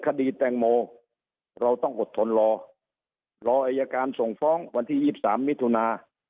คดีแตงโมเราต้องอดทนรอรออายการส่งฟ้องวันที่๒๓มิถุนา